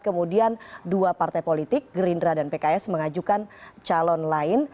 kemudian dua partai politik gerindra dan pks mengajukan calon lain